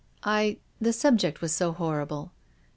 " I — the subject was so horrible."